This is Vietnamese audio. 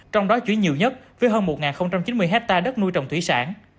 trong đó chuyển nhiều nhất với hơn một chín mươi hectare đất nuôi trồng thủy sản